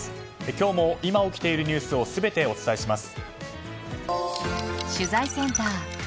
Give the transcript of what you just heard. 今日も今起きているニュースを全てお伝えします。